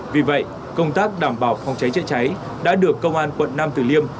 vì vậy công tác đảm bảo phòng cháy chữa cháy đã được công an quận nam tử liêm